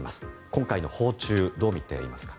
今回の訪中どう見ていますか？